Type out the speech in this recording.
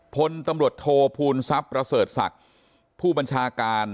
พลตำรวจโทภูมิทรัพย์ประเสริฐศักดิ์ผู้บัญชาการ